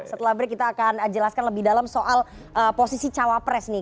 setelah break kita akan jelaskan lebih dalam soal posisi cawapres nih